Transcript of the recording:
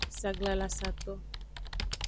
Saglalasato.